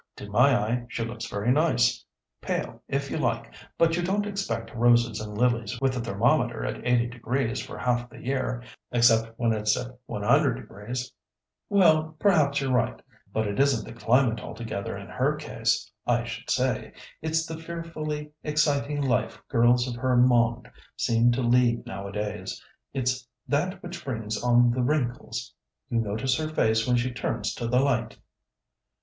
"To my eye she looks very nice, pale if you like; but you don't expect roses and lilies with the thermometer at 80° for half the year, except when it's at 100°." "Well, perhaps you're right; but it isn't the climate altogether in her case, I should say. It's the fearfully exciting life girls of her monde seem to lead nowadays. It's that which brings on the wrinkles. You notice her face when she turns to the light."